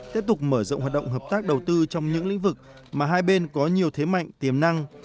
tiếp tục mở rộng hoạt động hợp tác đầu tư trong những lĩnh vực mà hai bên có nhiều thế mạnh tiềm năng